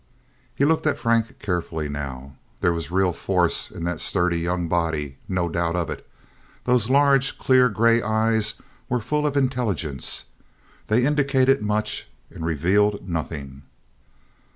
He looked at Frank carefully now. There was real force in that sturdy young body—no doubt of it. Those large, clear gray eyes were full of intelligence. They indicated much and revealed nothing.